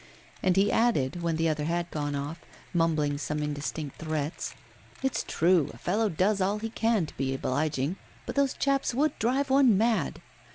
And he added, when the other had gone off, mumbling some indistinct threats: 'It's true; a fellow does all he can to be obliging, but those chaps would drive one mad!